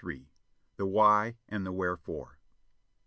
THE WHY AND THE WHEREEORE.